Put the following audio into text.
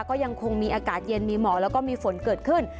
ก็ยังคงมีอากาศเย็นมีหมอกแล้วก็มีฝนเกิดขึ้น